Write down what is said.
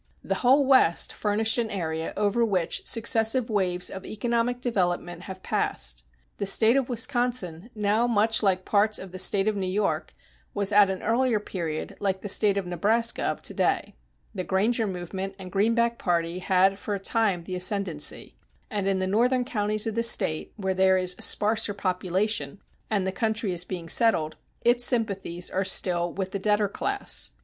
The whole West furnished an area over which successive waves of economic development have passed. The State of Wisconsin, now much like parts of the State of New York, was at an earlier period like the State of Nebraska of to day; the Granger movement and Greenback party had for a time the ascendancy; and in the northern counties of the State, where there is a sparser population, and the country is being settled, its sympathies are still with the debtor class.